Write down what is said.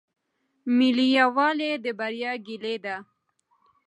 ملي یووالی د بریا کیلي ده.